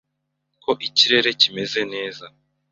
ko ikirere kimeze neza